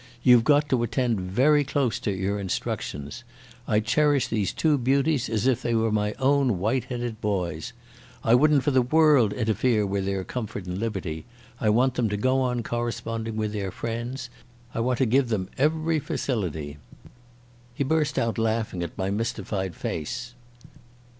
"You've got to attend very close to your instructions, I cherish these two beauties as if they were my own white headed boys. I wouldn't for the world interfere with their comfort and liberty. I want them to go on corresponding with their friends. I want to give them every facility." He burst out laughing at my mystified face.